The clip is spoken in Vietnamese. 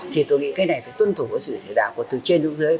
thì tôi nghĩ cái này phải tuân thủ với sự thể đạo của từ trên nước dưới